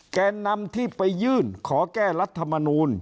แกนนำที่ไปยื่นขอแก้รัฐมนูล